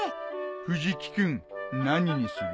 藤木君何にする？